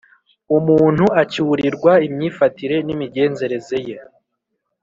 umuntu acyurirwa imyifatire n'imigenzereze ye;